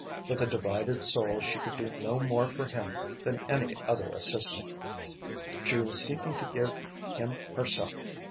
With a divided soul she could do no more for him than any other assistant. She was seeking to give him herself.